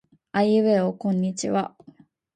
あいうえおこんにちは。